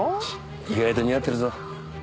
意外と似合ってるぞ。